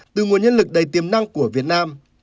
từ nguồn nhân lực đầy tiềm năng của việt nam